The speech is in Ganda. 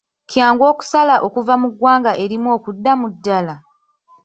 Kyangu okusala okuva mu ggwanga erimu okudda mu ddala?